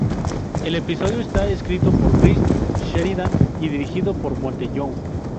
El episodio está escrito por Chris Sheridan y dirigido por Monte Young.